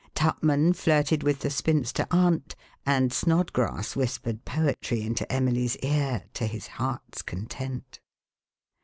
Tupman flirted with the spinster aunt and Snodgrass whispered poetry into Emily's ear to his heart's content.